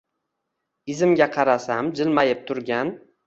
Izimga qarasam jilmayib turgan